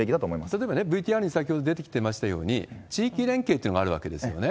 例えば、ＶＴＲに先ほど出てきてましたように、地域連携というのがあるわけですよね。